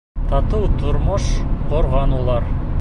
Татыу тормош ҡорған улар.